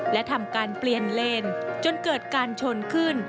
และทำการเปลี่ยนเลนจนเกิดการชนขึ้น